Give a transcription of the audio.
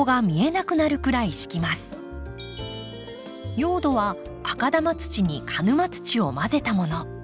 用土は赤玉土に鹿沼土を混ぜたもの。